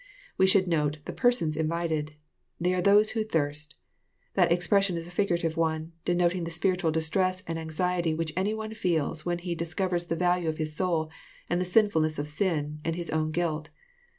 t» We should note the persons Invited. They are those who thirst." That expression is a figurative one, denoting the spiritual distress and anxiety which any one feels when he dis covers the value of his soul, and the sinfulness of sin, and his own guilt.